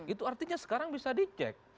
itu artinya sekarang bisa dicek